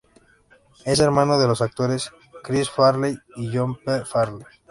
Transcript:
Es hermano de los actores Chris Farley y John P. Farley.